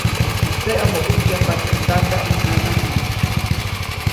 Teʼomo ʼäkyajpa teʼ ndata ʼäj nanajiʼŋ.